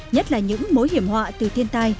nhất là những mối hiểm họa từ thiên tai